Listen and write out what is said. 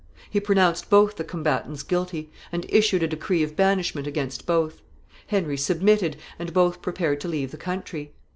He pronounced both the combatants guilty, and issued a decree of banishment against both. Henry submitted, and both prepared to leave the country.